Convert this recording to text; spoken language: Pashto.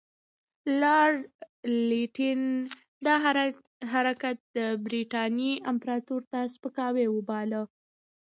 لارډ لیټن دا حرکت برټانیې امپراطوري ته سپکاوی وباله.